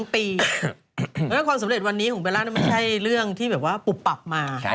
๒ปีแล้วความสำเร็จวันนี้ของเบลร่าเนี่ยไม่ใช่เรื่องที่แบบว่าปุบปับมา